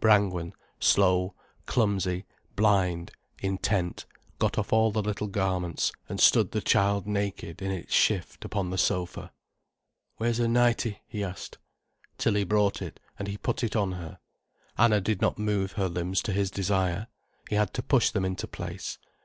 Brangwen, slow, clumsy, blind, intent, got off all the little garments, and stood the child naked in its shift upon the sofa. "Where's her nightie?" he asked. Tilly brought it, and he put it on her. Anna did not move her limbs to his desire. He had to push them into place.